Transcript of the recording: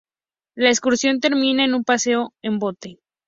La excursión termina en un paseo en bote.